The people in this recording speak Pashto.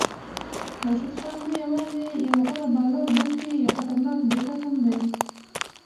راشد خان نه یوازې یو غوره بالر بلکې یو خطرناک بیټر هم دی.